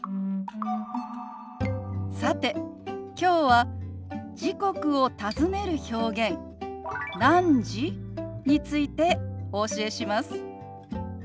さてきょうは時刻を尋ねる表現「何時？」についてお教えします。